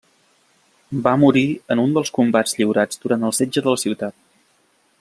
Va morir en un dels combats lliurats durant el setge de la ciutat.